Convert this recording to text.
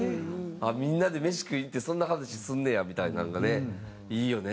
みんなで飯食いに行ってそんな話すんねやみたいなんがねいいよね。